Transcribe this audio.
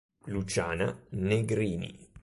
Luciana Negrini